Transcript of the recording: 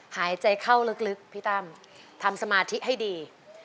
หายใจเข้าลึกพี่ตั้มทำสมาธิให้ดี